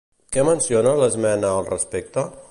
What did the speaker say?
Què menciona l'esmena al respecte?